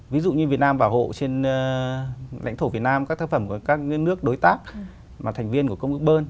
ví dụ như việt nam bảo hộ trên lãnh thổ việt nam các tác phẩm của các nước đối tác mà thành viên của công ước bơn